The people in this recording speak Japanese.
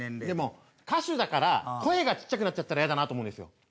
でも歌手だから声がちっちゃくなっちゃったらやだなと思うんですよ。